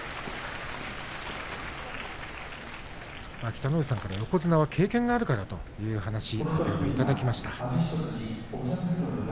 北の富士さんから横綱は経験があるからという話がありました。